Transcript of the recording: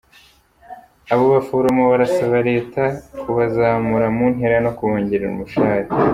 Abo baforomo barasaba Leta kubazamura mu ntera no kubongerera umushahara.